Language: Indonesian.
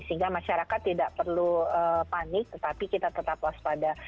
sehingga masyarakat tidak perlu panik tetapi kita tetap waspada